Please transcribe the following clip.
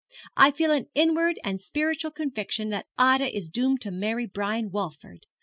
'I feel an inward and spiritual conviction that Ida is doomed to marry Brian Walford.